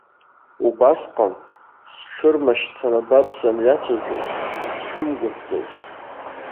Убасҟан, сҽырмашьцаны баб саниацәажәоз, сшымгәыӷӡоз.